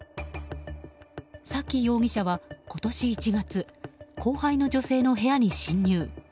崎容疑者は、今年１月後輩の女性の部屋に侵入。